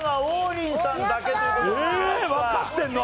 わかってんの？